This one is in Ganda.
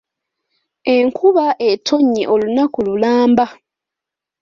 Enkuba etonnye olunaku lulamba.